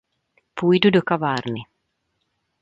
Půjdu do kavárny.